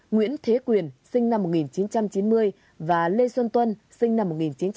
nguyễn thế quyền sinh năm một nghìn chín trăm chín mươi và lê xuân tuân sinh năm một nghìn chín trăm chín mươi